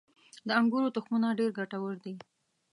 • د انګورو تخمونه ډېر ګټور دي.